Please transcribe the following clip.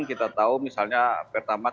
kita tahu misalnya pertamat